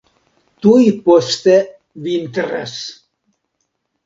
Tuj poste vintras.